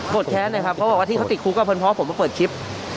กดแค้นครับเพราะที่เป็นไอ้ฟูกันเพราะผมก็เปิดชิ้น